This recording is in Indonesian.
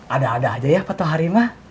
ada ada aja ya pak tuhari mah